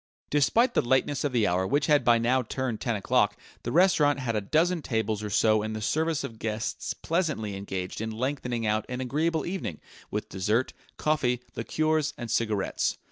Despite the lateness of the hour, which had by now turned ten o'clock, the restaurant had a dozen tables or so in the service of guests pleasantly engaged in lengthening out an agreeable evening with dessert, coffee, liqueurs and cigarettes.